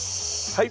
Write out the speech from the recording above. はい。